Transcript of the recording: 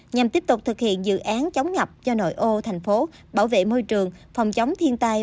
nhằm tiếp tục thực hiện dự án chống ngập cho nội ô thành phố bảo vệ môi trường phòng chống thiên tai